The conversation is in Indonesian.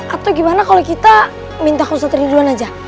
atau gimana kalo kita minta kosong terliduan aja